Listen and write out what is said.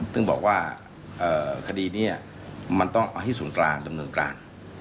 ซึ่งบอกว่าคดีนี้มันต้องให้ส่วนกลางดำเนินกลาง